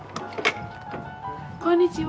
こんにちは。